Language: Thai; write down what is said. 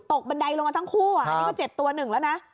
บันไดลงมาทั้งคู่อันนี้ก็เจ็บตัวหนึ่งแล้วนะ